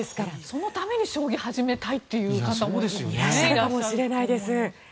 そのために将棋を始めたという方もいらっしゃるかもしれないですね。